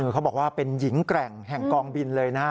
เขาบอกว่าเป็นหญิงแกร่งแห่งกองบินเลยนะ